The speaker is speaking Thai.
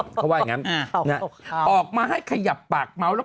นานออกมาให้ขยับปากเมาท์แล้วก็ขุดเผือกกันหลายประเด็นด้วยกัน